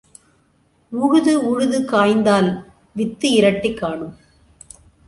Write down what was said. உழுது உழுது காய்ந்தால் வித்து இரட்டி காணும்.